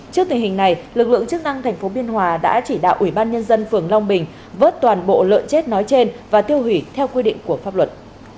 trước tình hình này lực lượng chức năng tp biên hòa đã chỉ đạo ủy ban nhân dân phường long bình vớt toàn bộ lợn chết nói trên và tiêu hủy theo quy định của pháp luật